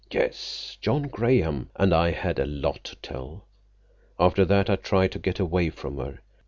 "Yes, John Graham. And I had a lot to tell. After that I tried to get away from her.